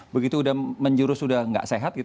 begitu udah menjurus udah nggak sehat